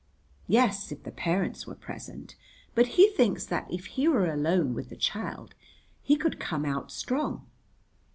"Yes, if the parents were present. But he thinks that if he were alone with the child he could come out strong."